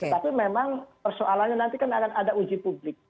tapi memang persoalannya nanti kan akan ada uji publik